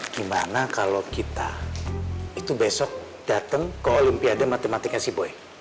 gimana kalo kita itu besok dateng ke olimpiade matematika si boy